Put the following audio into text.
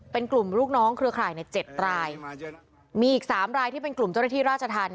เป็นกลุ่มลูกน้องเครือข่ายในเจ็ดรายมีอีกสามรายที่เป็นกลุ่มเจ้าหน้าที่ราชธรรม